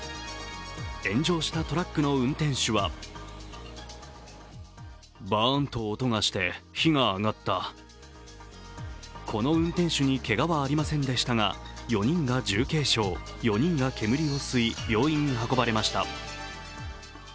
炎上したトラックの運転手はこの運転手にけがはありませんでしたが４人が重軽傷、４人が煙を吸い、病院に運ばれました。